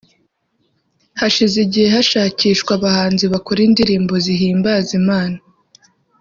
Hashize igihe hashakishwa abahanzi bakora indirimbo zihimbaza Imana